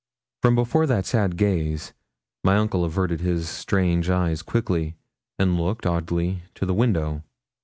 From before that sad gaze my uncle averted his strange eyes quickly, and looked, oddly, to the window.